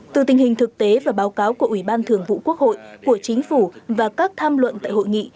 từ tình hình thực tế và báo cáo của ủy ban thường vụ quốc hội của chính phủ và các tham luận tại hội nghị